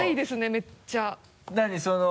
めっちゃ。何？